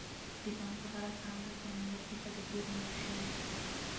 د بانک په هره څانګه کې امنیتي تدابیر نیول شوي دي.